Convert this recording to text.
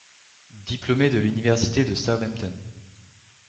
Diplômé de l'université de Southampton.